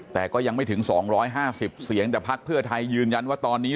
แต่ก็ยังไม่ถึง๒๕๐เสียงแต่พักเพื่อไทยยืนยันว่าตอนนี้